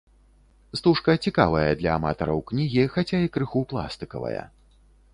Стужка цікавая для аматараў кнігі, хаця і крыху пластыкавая.